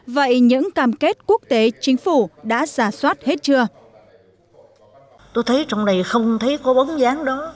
vậy những cam kết quốc tế chính phủ đã giả soát hết chưa